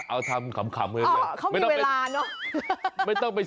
ไปนะขอขึ้นลงนอนได้ครับ